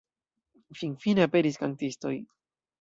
Finfine aperis kantistoj.